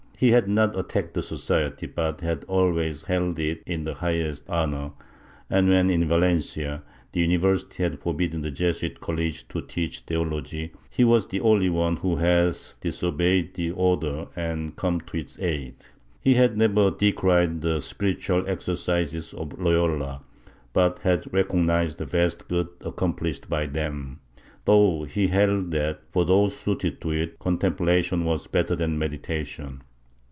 He had not attacked the Society but had always held it in the highest honor, and when, in Valencia, the University had forbidden the Jesuit College to teach theology, he was the only one who had disobeyed the order and had come to its aid. He had never decried the Spiritual Exercises of Loyola, but had recognized the vast good accom plished by them, though he held that, for those suited to it, con templation was better than meditation.